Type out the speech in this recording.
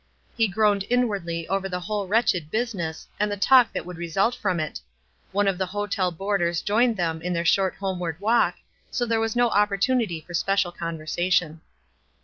He groaned inwardly over the whole wretched business and the talk that would re sult from it. One of the hotel boarders joined them in their short homeward walk, so there was no opportunity for special conversation.